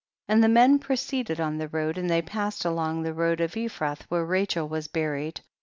And the men proceeded on the road, and they passed along, the road of Ephrath where Rachel was buried.